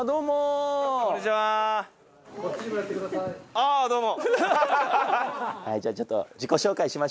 あぁどうも。